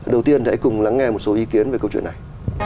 đầu tiên hãy cùng lắng nghe một số ý kiến về câu chuyện này